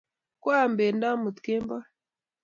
Kwa am pendo amut kemboi